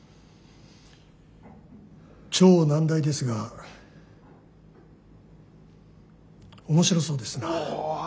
超難題ですが面白そうですな。